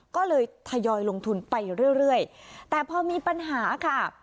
ก็เลยทยอยลงทุนไปเรื่อยแต่พอมีปัญหาค่ะ